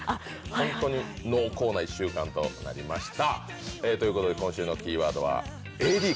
本当に濃厚な１週間となりました。